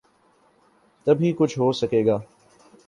تب ہی کچھ ہو سکے گا۔